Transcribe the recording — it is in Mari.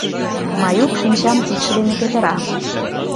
Маюк шинчам кидше дене петыра.